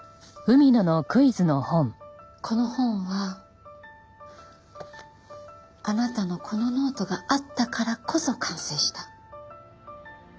この本はあなたのこのノートがあったからこそ完成した。